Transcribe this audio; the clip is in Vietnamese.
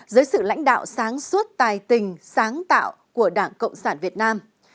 dưới sự lãnh đạo sáng suốt tài tình sáng tạo của đảng cộng sản việt nam